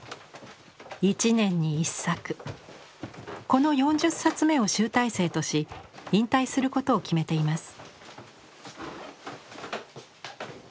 この４０冊目を集大成とし引退することを決めています。